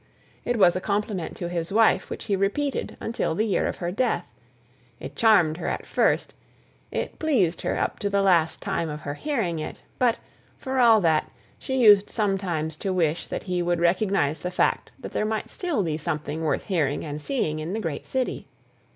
It was a compliment to his wife which he repeated until the year of her death; it charmed her at first, it pleased her up to the last time of her hearing it; but, for all that, she used sometimes to wish that he would recognize the fact that there might still be something worth hearing and seeing in the great city.